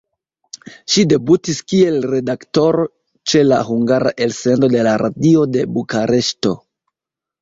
Ŝi debutis kiel redaktoro ĉe la hungara elsendo de la Radio de Bukareŝto.